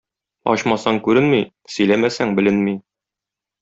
Ачмасаң күренми, сөйләмәсәң беленми.